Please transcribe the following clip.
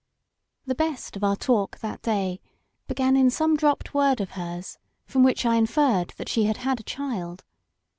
The best of our talk that day began in some dropped word of hers from which I inferred that she had had a child.